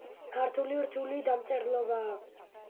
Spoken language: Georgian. ქართული რთული დამწერლობაა